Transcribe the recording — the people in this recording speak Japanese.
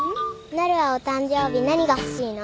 なるはお誕生日何が欲しいの？